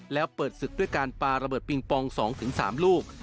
แล้วเปิดศึกด้วยการปลาระเบิดปิงปอง๒๓ลูก